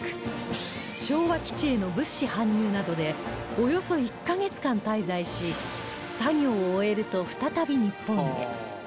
昭和基地への物資搬入などでおよそ１カ月間滞在し作業を終えると再び日本へ